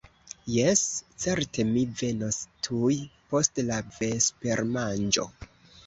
Jes, certe, mi venos tuj post la vespermanĝo.